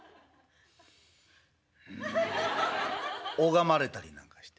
拝まれたりなんかして。